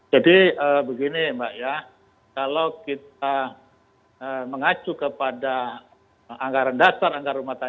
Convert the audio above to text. jadi begini mbak ya kalau kita mengacu kepada anggaran dasar anggaran rumah tangga